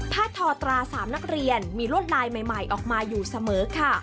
ทอตรา๓นักเรียนมีลวดลายใหม่ออกมาอยู่เสมอค่ะ